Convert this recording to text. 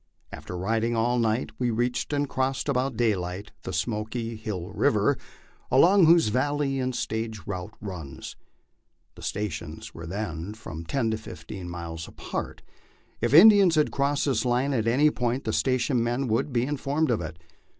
After riding all night we reached and crossed about daylight the Smoky Hill river, along whose valley the stage route runs. The stations were then from ten to fifteen miles apart ; if Indians had crossed this line at any point the station men would be informed of it.